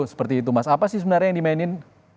seperti itu mas apa sih sebenarnya yang dimainin